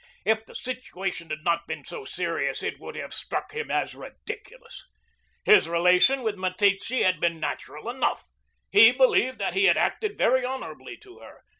If the situation had not been so serious, it would have struck him as ridiculous. His relation with Meteetse had been natural enough. He believed that he had acted very honorably to her.